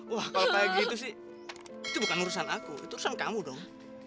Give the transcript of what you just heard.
wah kalau kayak gitu sih itu bukan urusan aku itu urusan kamu dong